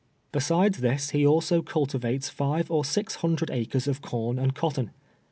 Besides this he also cultivates five or six hundred acres of corn and cotton.